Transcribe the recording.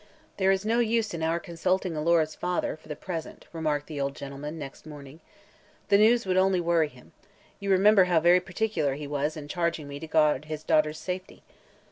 "There is no use in our consulting Alora'a father, for the present," remarked the old gentleman, next morning. "The news would only worry him. You remember how very particular he was in charging me to guard his daughter's safety."